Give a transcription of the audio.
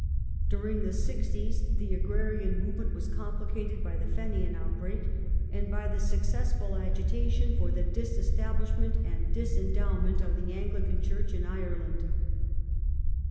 Dur ing the 'sixties the agrarian movement was complicated by the Fenian outbreak, and by the successful agitation for the disestab lishment and disendowment of the Anglican Church in Ireland.